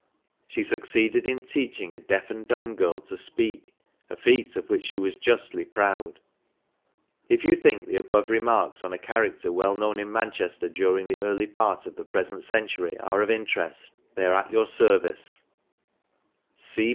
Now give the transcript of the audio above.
She succeeded in teaching a deaf and dumb girl to speak — a feat of which she was justly proud. " If you think the above remarks on a character well known in Manchester during the early part of the present century are of interest, they are at your service.